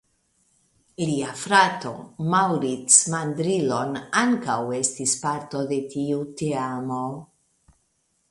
Lia frato "Maurice Mandrillon" ankaŭ estis parto de tiu teamo.